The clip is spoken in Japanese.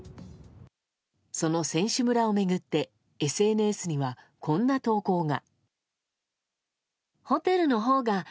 その選手村を巡ってＳＮＳにはこんな投稿が。